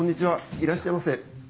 いらっしゃいませ。